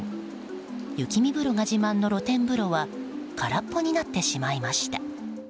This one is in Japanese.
雪見風呂が自慢の露天風呂は空っぽになってしまいました。